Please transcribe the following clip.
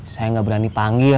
saya gak berani panggil